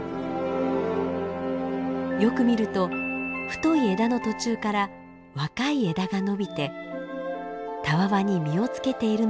よく見ると太い枝の途中から若い枝が伸びてたわわに実をつけているのが分かります。